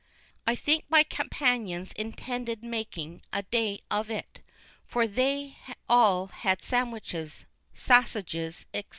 I think my companions intended makin a day of it, for they all had sandwiches, sassiges, etc.